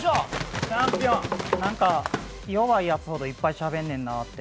なんか、弱いやつほどいっぱいしゃべんねんなって。